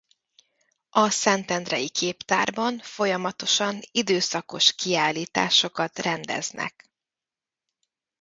A Szentendrei Képtárban folyamatosan időszakos kiállításokat rendeznek.